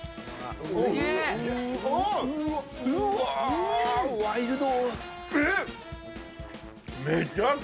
うわワイルド。